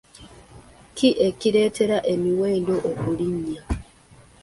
Ki ekireetera emiwendo okulinnya?